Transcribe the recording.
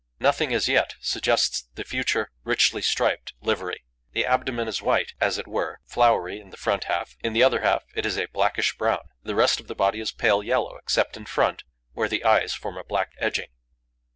Nothing as yet suggests the future, richly striped livery. The abdomen is white and, as it were, floury in the front half; in the other half it is a blackish brown. The rest of the body is pale yellow, except in front, where the eyes form a black edging.